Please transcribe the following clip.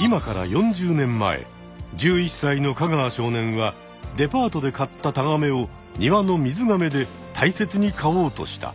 今から４０年前１１さいの香川少年はデパートで買ったタガメを庭の水がめで大切に飼おうとした。